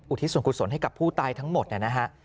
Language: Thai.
ทิศส่วนกุศลให้กับผู้ตายทั้งหมดนะฮะ